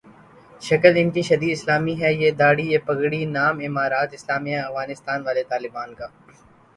شکل انکی شدید اسلامی ہے ، یہ دھاڑی ، یہ پگڑی ، نام امارت اسلامیہ افغانستان والے طالبان کا ۔